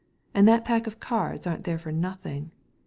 And that pack of cards aren't there for nothing.